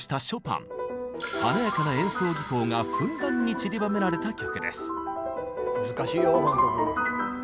華やかな演奏技巧がふんだんにちりばめられた曲です。